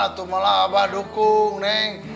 atau malah abah dukung neng